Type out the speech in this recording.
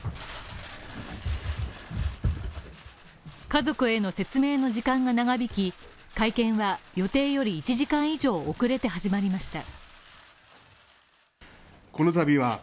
家族への説明の時間が長引き会見は、予定より１時間以上遅れて始まりました。